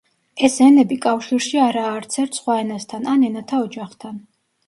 ეს ენები კავშირში არაა არც ერთ სხვა ენასთან ან ენათა ოჯახთან.